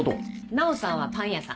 奈央さんはパン屋さん。